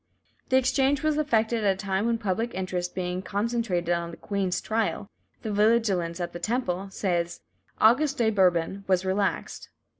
The exchange was effected at a time when public interest being concentrated on the Queen's trial, the vigilance at the Temple, says "Auguste de Bourbon," was relaxed.